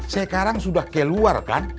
sekarang sudah keluar kan